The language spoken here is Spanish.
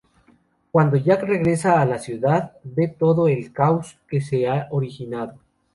Cuando Jack regresa a la ciudad, ve todo el caos que se ha originado.